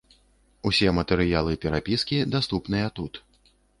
Усе матэрыялы перапіскі даступныя тут.